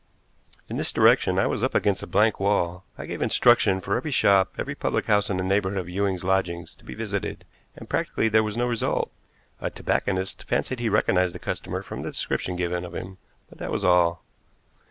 In this direction I was up against a blank wall. I gave instruction for every shop, every public house in the neighborhood of Ewing's lodgings, to be visited, and practically there was no result. A tobacconist fancied he recognized a customer from the description given of him, but that was all.